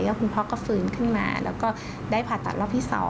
แล้วคุณพ่อก็ฟื้นขึ้นมาแล้วก็ได้ผ่าตัดรอบที่๒